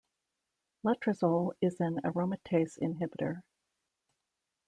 Letrozole is an aromatase inhibitor.